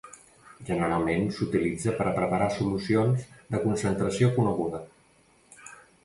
Generalment s'utilitza per a preparar solucions de concentració coneguda.